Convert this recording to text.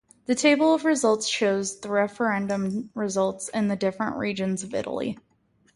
The table of results shows the referendum results in the different regions of Italy.